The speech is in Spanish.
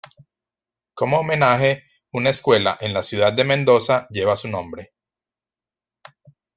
Como homenaje, una escuela en la ciudad de Mendoza lleva su nombre.